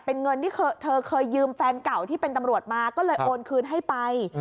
เป็นเงินที่เธอเคยยืมแฟนเก่าที่เป็นตำรวจมาก็เลยโอนคืนให้ไป